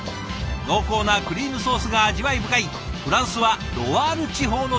濃厚なクリームソースが味わい深いフランスはロワール地方の伝統料理。